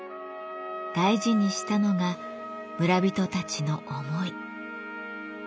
大事にしたのが村人たちの思い。